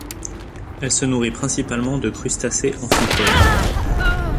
Elle se nourrit principalement de crustacés amphipodes.